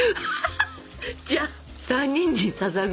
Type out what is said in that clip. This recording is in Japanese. じゃあ３人にささぐ。